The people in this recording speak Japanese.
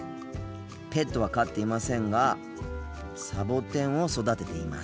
ペットは飼っていませんがサボテンを育てています。